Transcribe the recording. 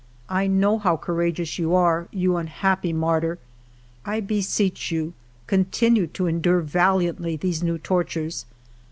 I know how courageous you are, you unhappy martyr ! I beseech you, continue to endure val iantly these new tortures.